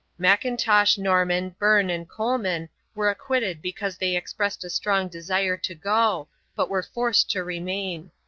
M'Intosh, Norman, Byrne, and Coleman were acquitted because they expressed a strong desire to go, but were forced to remain.